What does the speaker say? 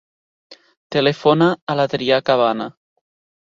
Telefona a l'Adrià Cabana.